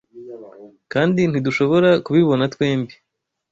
kandi ntidushobora kubibona twembi